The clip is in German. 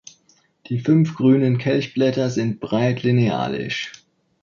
Die fünf grünen Kelchblätter sind breit-linealisch.